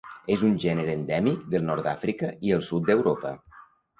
És un gènere endèmic del nord d'Àfrica i el sud d'Europa.